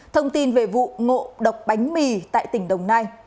thông tin về vụ ngộ độc bánh mì tại tỉnh đồng nai